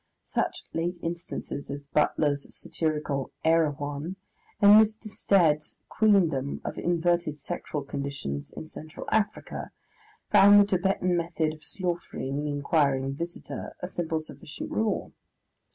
Such late instances as Butler's satirical "Erewhon," and Mr. Stead's queendom of inverted sexual conditions in Central Africa, found the Tibetan method of slaughtering the inquiring visitor a simple, sufficient rule.